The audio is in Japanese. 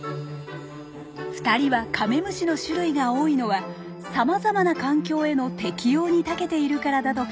２人はカメムシの種類が多いのはさまざまな環境への適応にたけているからだと考えています。